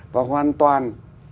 và hoàn toàn